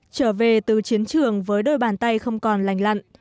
trở về từ chiến trường với đôi bàn tay không còn lành lặn